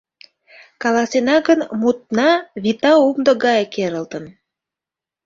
Каласена гын, мутна вита умдо гае керылтын.